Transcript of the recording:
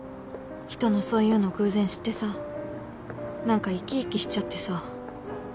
人のそういうの偶然知ってさ何か生き生きしちゃってさ